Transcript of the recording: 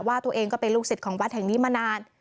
ว่าตัวเองก็เป็นลูกศิษย์ของวัดแห่งนี้มานาน